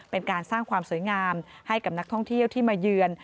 เป็นการสร้างความสวยงามให้กับนักท่องเที่ยวที่มาเยือน